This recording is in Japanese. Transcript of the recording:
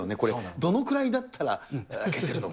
どのくらいだったら消せるのか。